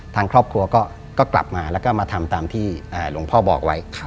ทางครอบครัวก็กลับมาแล้วก็มาทำตามที่หลวงพ่อบอกไว้